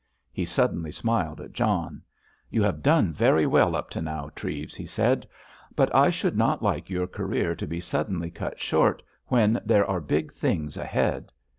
He suddenly smiled at John. "You have done very well up to now, Treves," he said. "But I should not like your career to be suddenly cut short when there are big things ahead.